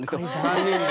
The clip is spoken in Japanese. ３人で。